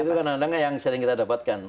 itu kan ada nggak yang sering kita dapatkan